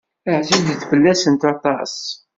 Ɛzizet fell-asent aṭas.